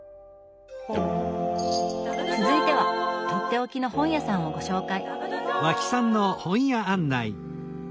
続いてはとっておきの本屋さんをご紹介。